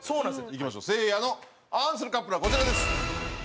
いきましょうせいやの「あん」するカップルはこちらです。